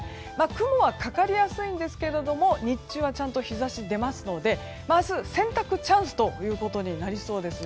雲はかかりやすいんですが日中はちゃんと日差し出ますので明日、洗濯チャンスとなりそうです。